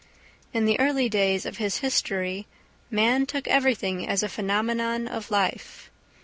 In the early days of his history man took everything as a phenomenon of life.